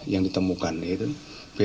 yang ditemukan yaitu